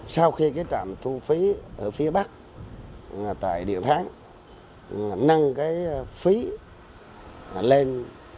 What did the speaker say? sau khi cái trạm thu phí ở phía bắc tại điện tháng nâng cái phí lên ba mươi năm